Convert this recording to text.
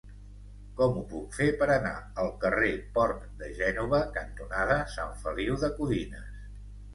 Com ho puc fer per anar al carrer Port de Gènova cantonada Sant Feliu de Codines?